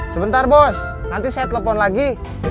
sebentar bos nanti saya telepon lagi